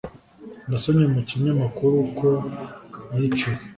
nasomye mu kinyamakuru ko yiciwe